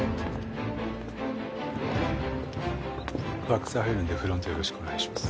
バックス入るんでフロントよろしくお願いします。